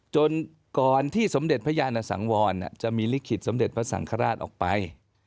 จนก่อนที่สมเด็จพระยานสังวรจะมีลิขิตสมเด็จพระสังฆราชออกไป